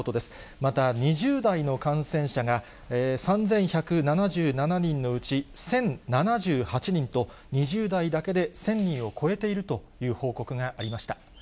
また２０代の感染者が３１７７人のうち１０７８人と、２０代だけで１０００人を超えているという報告がありました。